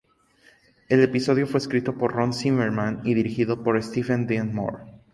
El episodio fue escrito por Ron Zimmerman y dirigido por Steven Dean Moore.